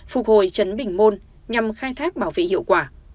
phục hồi chấn bình môn nhằm khai thác bảo vệ hiệu quả